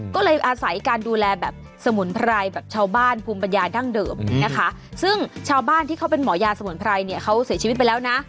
ก็เลยอาศัยการดูแลแบบสมุนไพรแบบชาวบ้านภูมิปัญญาดั้งเดิมนะคะซึ่งชาวบ้านที่เขาเป็นหมอยาสมุนไพรเนี่ยเขาเสียชีวิตไปแล้วนะ